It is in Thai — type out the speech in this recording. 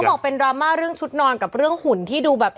บอกเป็นดราม่าเรื่องชุดนอนกับเรื่องหุ่นที่ดูแบบ